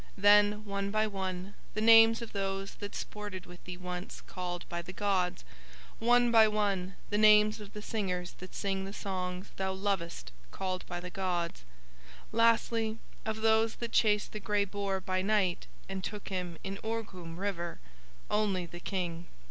Then one by one the names of those that sported with thee once called by the gods, one by one the names of the singers that sing the songs thou lovest called by the gods, lastly of those that chased the grey boar by night and took him in Orghoom river—only the King.